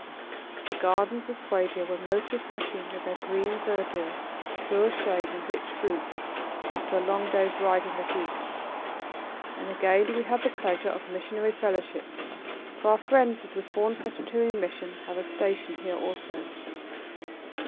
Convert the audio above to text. The gardens of Swadia were most refreshing with their green verdure, cool shade and rich fruit, after a long day's ride in the heat, and again we had the pleasure of missionary fellowship, for our friends of the Reformed Presbyterian mission have a station here also.